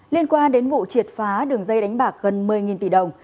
liên quan đến vụ triệt phá đường dây đánh bạc gần một mươi tỷ đồng